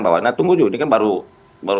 bahwa tunggu dulu ini kan baru